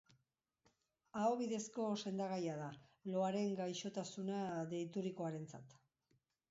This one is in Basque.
Aho bidezko sendagaia da, loaren gaixotasuna deiturikoarentzat.